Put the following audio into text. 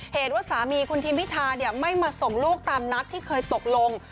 เหตุว่าสามีคุณทิมพิธาไม่มาส่งลูกตามนัดที่เคยตกลง